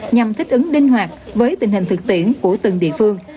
nhằm thích ứng linh hoạt với tình hình thực tiễn của từng địa phương